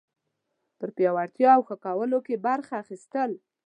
په پیاوړتیا او ښه کولو کې برخه اخیستل